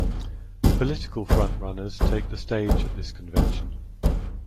Political front runners take the stage at this convention.